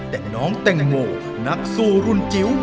แต่น้องแตงโมนักสู้รุ่นจิ๋ว